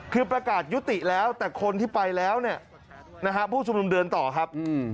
คือประกาศยุติแล้วแต่คนที่ไปแล้วเนี่ยนะฮะผู้ชุมนุมเดินต่อครับ